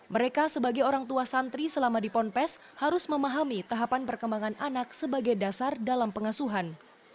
mereka sebagai orang tua santri selama di ponpes harus memahami tahapan perkembangan anak sebagai dasar dalam pengasuhan